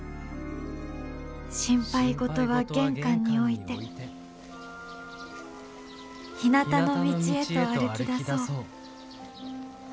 「心配事は玄関に置いてひなたの道へと歩きだそう」。